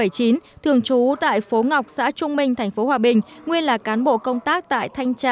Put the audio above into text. thường trú tại phố ngọc xã trung minh tp hòa bình nguyên là cán bộ công tác tại thanh tra